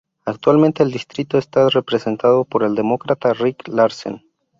Actualmente el distrito está representado por el Demócrata Rick Larsen.